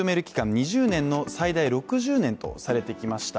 ２０年の最大６０年とされてきました。